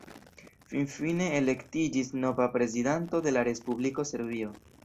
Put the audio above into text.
Finfine elektiĝis nova prezidanto de la respubliko Serbio.